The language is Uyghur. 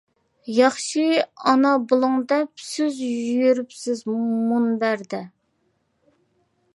ياخشى ئانا بۇلۇڭ دەپ، سىز يۈرۈپسىز مۇنبەردە.